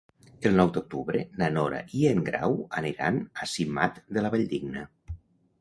El nou d'octubre na Nora i en Grau aniran a Simat de la Valldigna.